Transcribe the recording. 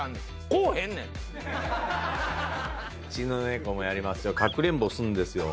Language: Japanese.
うちの猫もやりますよ、かくれんぼするんですよ。